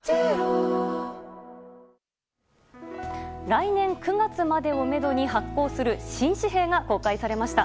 来年９月までをめどに発行する新紙幣が公開されました。